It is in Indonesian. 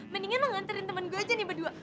mendingan nganterin temen gue aja nih berdua